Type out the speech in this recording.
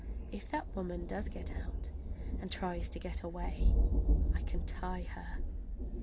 If that woman does get out, and tries to get away, I can tie her!